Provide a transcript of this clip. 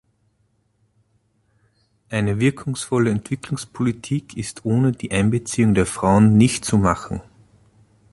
Eine wirkungsvolle Entwicklungspolitik ist ohne die Einbeziehung der Frauen nicht zu machen.